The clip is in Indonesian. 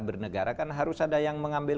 bernegara kan harus ada yang mengambil